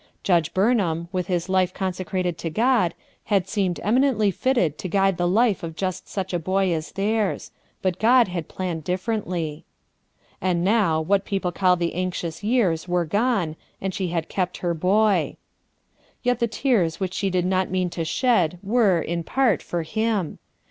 Judge Burnham, with lois life consecrated to God, had seemed eminently fitted to guide the life of just such a boy as theirs; but God had planned differently. And now, what people call the anxious years were gone, and she had kept her boy. Yet the tears which she did not mean to shed WHIMS 7 were, in part, for him.